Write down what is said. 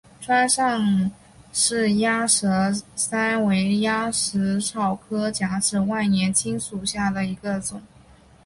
川上氏鸭舌疝为鸭跖草科假紫万年青属下的一个种。